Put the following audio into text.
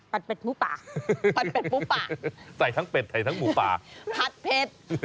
เป็ดหมูป่าผัดเด็ดหมูป่าใส่ทั้งเป็ดใส่ทั้งหมูป่าผัดเผ็ด